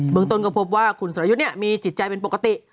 เมืองต้นก็พบว่าคุณสรยุทธ์มีจิตใจเป็นปกติ